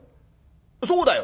そうだよ。